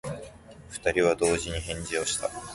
二人は同時に返事をした。